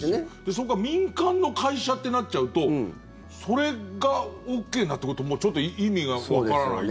そこが民間の会社ってなっちゃうとそれがＯＫになってくるとちょっと意味がわからないです。